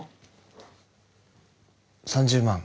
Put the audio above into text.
３０万